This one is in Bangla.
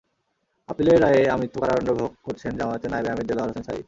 আপিলের রায়ে আমৃত্যু কারাদণ্ড ভোগ করছেন জামায়াতের নায়েবে আমির দেলাওয়ার হোসাইন সাঈদী।